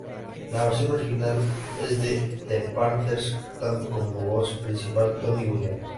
La versión original es de The Platters, cantando como voz principal Tony Williams.